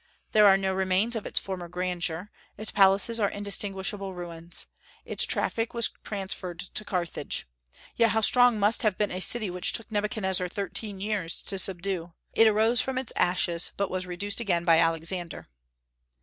There are no remains of its former grandeur; its palaces are indistinguishable ruins. Its traffic was transferred to Carthage. Yet how strong must have been a city which took Nebuchadnezzar thirteen years to subdue! It arose from its ashes, but was reduced again by Alexander.